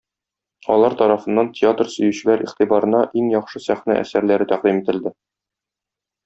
Алар тарафыннан театр сөючеләр игътибарына иң яхшы сәхнә әсәрләре тәкъдим ителде.